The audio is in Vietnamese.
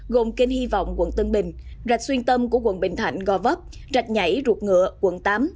gồm kênh hy vọng quận tân bình rạch xuyên tâm của quận bình thạnh gò vấp rạch nhảy ruột ngựa quận tám